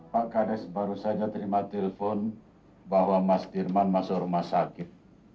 pak kades baru saja terima telepon bahwa mas dirman masuk rumah sakit